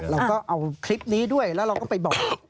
เราก็เอาคลิปนี้ด้วยแล้วเราก็ไปบอก